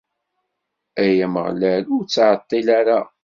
Ay Ameɣlal, ur ttɛeṭṭil ara!